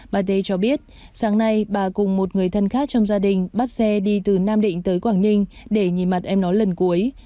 bà t cho biết sáng nay bà cùng một người thân khác trong gia đình bắt xe đi từ nam định tới quảng ninh để nhìn mặt em nó lần cuối